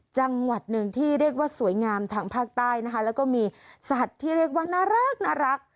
จังหวัดหนึ่งที่เรียกว่าสวยงามทางภาคใต้นะคะแล้วก็มีสัตว์ที่เรียกว่าน่ารัก